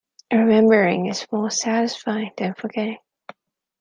Remembering is more satisfying than forgetting.